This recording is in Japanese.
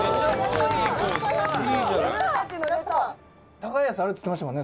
「高いやつあるって言ってましたもんね？